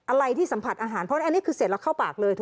อะไรที่สัมผัสอาหารเพราะอันนี้คือเสร็จแล้วเข้าปากเลย